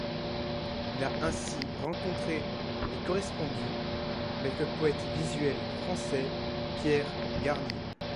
Il a ainsi rencontré et correspondu avec le poète visuel français Pierre Garnier.